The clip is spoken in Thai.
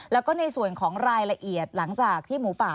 แล้วก็ในส่วนของรายละเอียดหลังจากที่หมูป่า